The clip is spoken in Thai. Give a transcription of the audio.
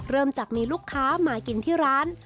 เริ่มจากมีลูกค้ามากินที่ร้าน